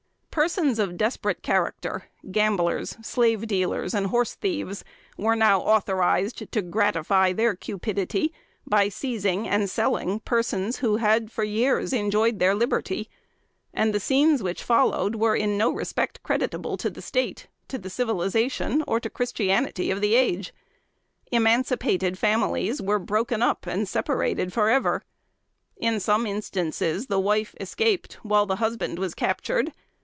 Persons of desperate character, gamblers, slave dealers and horse thieves, were now authorized to gratify their cupidity, by seizing and selling persons who had for years enjoyed their liberty; and the scenes which followed, were in no respect creditable to the State, to the civilization or Christianity of the age. Emancipated families were broken up and separated for ever. In some instances the wife escaped, while the husband was captured.